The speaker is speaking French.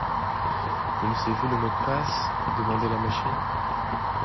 Connaissez-vous le mot de passe? demandait la machine.